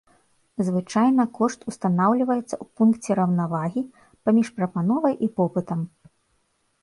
Звычайна кошт устанаўліваецца ў пункце раўнавагі паміж прапановай і попытам.